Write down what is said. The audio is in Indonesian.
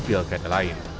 di bilgad lain